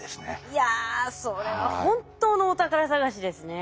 いやそれは本当のお宝探しですね。